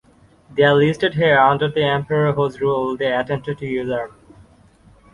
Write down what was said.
They are listed here under the emperor whose rule they attempted to usurp.